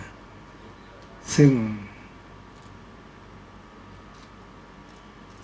ก็ต้องทำอย่างที่บอกว่าช่องคุณวิชากำลังทำอยู่นั่นนะครับ